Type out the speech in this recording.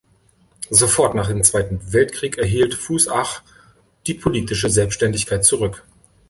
Sofort nach dem Zweiten Weltkrieg erhielt Fußach die politische Selbständigkeit zurück.